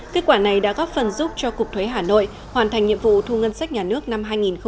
kết quả này đã góp phần giúp cho cục thuế hà nội hoàn thành nhiệm vụ thu ngân sách nhà nước năm hai nghìn một mươi chín